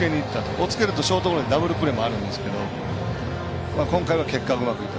おっつけるとショートゴロでダブルプレーもあるんですけど今回はうまくいった。